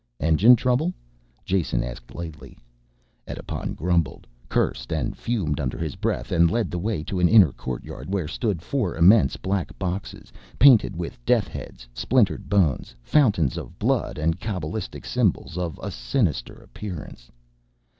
"Engine trouble?" Jason asked lightly. Edipon grumbled, cursed and fumed under his breath and led the way to an inner courtyard where stood four immense black boxes painted with death heads, splintered bones, fountains of blood and cabalistic symbols all of a sinister appearance.